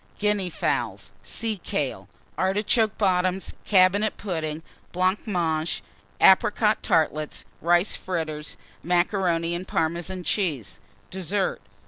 Guinea Fowl. Sea kale. Artichoke Bottoms. Cabinet Pudding. Blancmange. Apricot Tartlets. Rice Fritters. Macaroni and Parmesan Cheese. DESSERT.